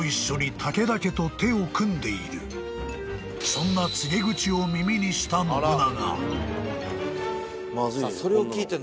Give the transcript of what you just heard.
［そんな告げ口を耳にした信長］